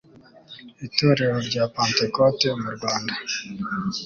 itorero rya pentekote mu rwanda